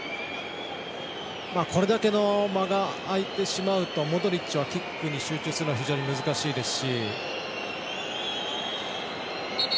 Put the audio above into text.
これだけの間が開いてしまうとモドリッチはキックに集中するのが非常に難しいですし。